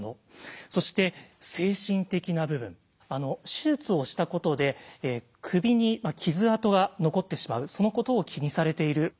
手術をしたことで首に傷痕が残ってしまうそのことを気にされている。